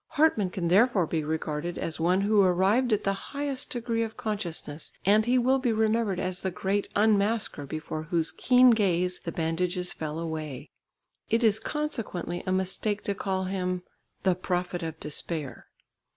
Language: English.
Hartmann can therefore be regarded as one who arrived at the highest degree of consciousness, and he will be remembered as the great unmasker before whose keen gaze the bandages fell away. It is consequently a mistake to call him "the prophet of despair."